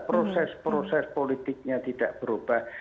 proses proses politiknya tidak berubah